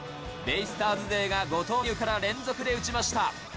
ベイスターズ勢が後藤希友から連続で打ちました。